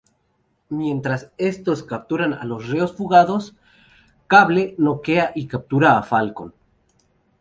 Mientras estos capturan a los reos fugados, Cable noquea y captura a Falcon.